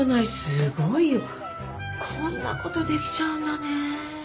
すごいよ。こんなことできちゃうんだね。